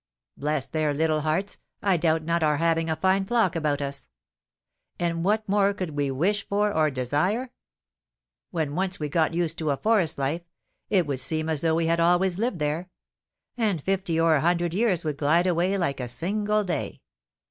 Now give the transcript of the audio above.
Bless their little hearts, I doubt not our having a fine flock about us! And what more could we wish for or desire? When once we got used to a forest life, it would seem as though we had always lived there; and fifty or a hundred years would glide away like a single day.